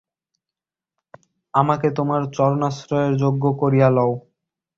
আমাকে তোমার চরণাশ্রয়ের যোগ্য করিয়া লও।